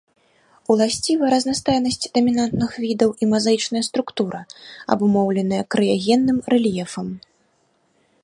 Уласціва разнастайнасць дамінантных відаў і мазаічная структура, абумоўленая крыягенным рэльефам.